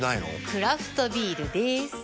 クラフトビールでーす。